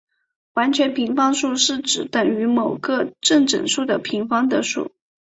完全平方数是指等于某个正整数的平方的数。